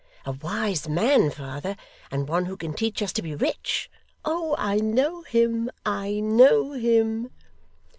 A wise man, father, and one who can teach us to be rich. Oh! I know him, I know him.